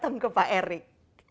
untuk ke pak erick